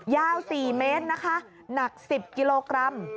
ยาว๔เมตรนะคะหนัก๑๐กิโลกรัม